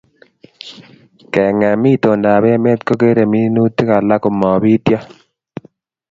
kengem itondo ab emet ko kerei minutik alak ko mapityo